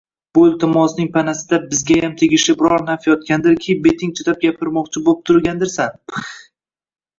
– Bu iltimosning panasida bizgayam tegishli biror naf yotgandirki, beting chidab gapirmoqchi bo‘pturgandirsan, pix?